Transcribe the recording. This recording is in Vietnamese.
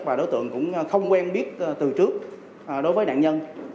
và đối tượng cũng không quen biết từ trước đối với nạn nhân